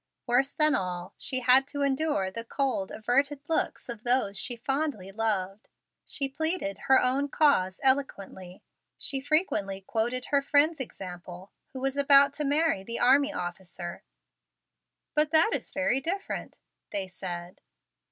Worse than all, she had to endure the cold, averted looks of those she fondly loved. She pleaded her own cause eloquently. She frequently quoted her friend's example, who was about to marry the army officer. "But that is very different," they said.